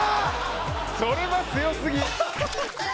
それは強すぎ。